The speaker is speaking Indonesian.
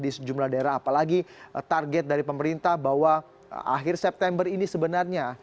di sejumlah daerah apalagi target dari pemerintah bahwa akhir september ini sebenarnya